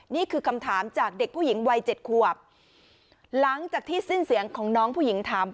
นี่คือคำถามจากเด็กผู้หญิงวัยเจ็ดขวบหลังจากที่สิ้นเสียงของน้องผู้หญิงถาม